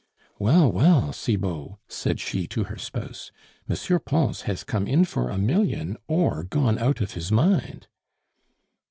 "Well, well, Cibot," said she to her spouse, "M. Pons has come in for a million, or gone out of his mind!"